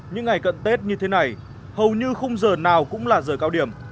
những ngày cận tết như thế này hầu như khung giờ nào cũng là giờ cao điểm